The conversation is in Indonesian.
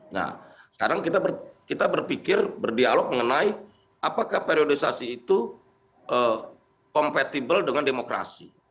nah sekarang kita berpikir berdialog mengenai apakah periodisasi itu compatible dengan demokrasi